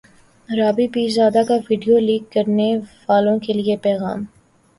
رابی پیرزادہ کا video leak کرنیوالوں کے لیے پیغام